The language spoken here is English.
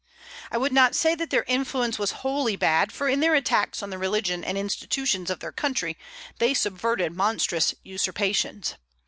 I would not say that their influence was wholly bad, for in their attacks on the religion and institutions of their country they subverted monstrous usurpations.